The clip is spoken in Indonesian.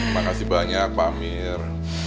makasih banyak pak hamir